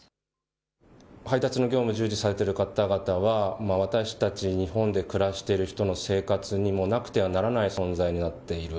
配達の業務に従事されている方々が私たち日本で暮らしている方の生活になくてはならない存在になっている。